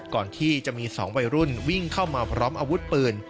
ก่อนที่จะมี๒วัยรุ่นวิ่งเข้ามาพร้อมอาวุธปืน